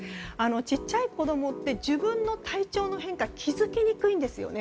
小さい子供って自分の体調の変化に気づきにくいんですよね。